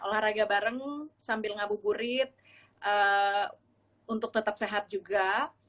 olahraga bareng sambil ngabuburit untuk tetap sehat juga